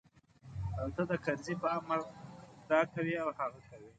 ته د کرزي په امر دا کوې او هغه کوې.